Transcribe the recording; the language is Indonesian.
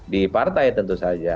di partai tentu saja